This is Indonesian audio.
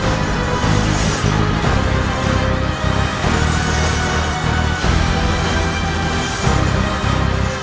sekarang kamu terima jurus andalan